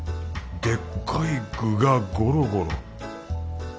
でっかい具がゴロゴロ。